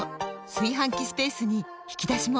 炊飯器スペースに引き出しも！